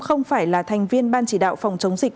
không phải là thành viên ban chỉ đạo phòng chống dịch